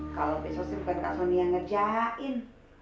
kalau besok sih bukan kak soni yang ngerjain